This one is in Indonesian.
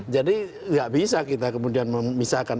jadi nggak bisa kita kemudian memisahkan